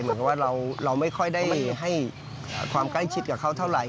เหมือนกับว่าเราไม่ค่อยได้ให้ความใกล้ชิดกับเขาเท่าไหร่